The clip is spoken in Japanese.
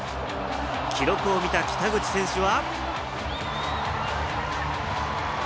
記録を見た北口選手は。